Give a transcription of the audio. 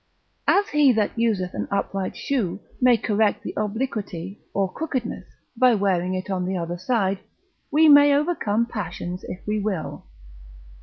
As he that useth an upright shoe, may correct the obliquity, or crookedness, by wearing it on the other side; we may overcome passions if we will.